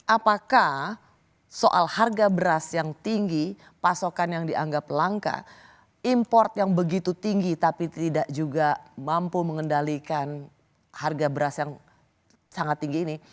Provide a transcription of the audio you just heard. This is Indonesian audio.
apakah soal harga beras yang tinggi pasokan yang dianggap langka import yang begitu tinggi tapi tidak juga mampu mengendalikan harga beras yang sangat tinggi ini